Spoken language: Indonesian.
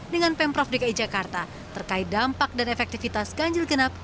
di jakarta terkait dampak dan efektivitas ganjil genap